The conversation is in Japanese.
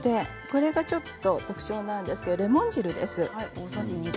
これがちょっと特徴なんですけどレモン汁です。